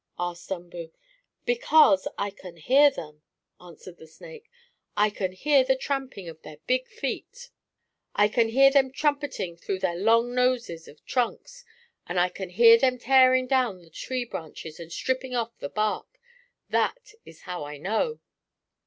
asked Umboo. "Because I can hear them," answered the snake. "I can hear the tramping of their big feet. I can hear them trumpeting through their long noses of trunks, and I can hear them tearing down the tree branches and stripping off the bark. That is how I know.